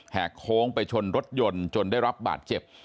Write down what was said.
โค้งไปชนรถยนต์จนได้รับบาดเจ็บ